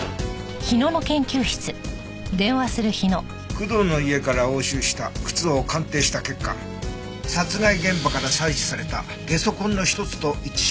工藤の家から押収した靴を鑑定した結果殺害現場から採取されたゲソ痕の一つと一致しました。